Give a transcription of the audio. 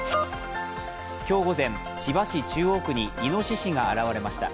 今日午前、千葉市中央区にいのししが現れました。